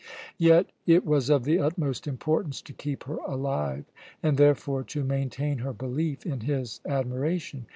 Yet it was of the utmost importance to keep her alive, and therefore to maintain her belief in his admiration.